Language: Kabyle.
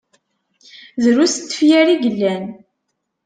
Drus n tefyar i yellan.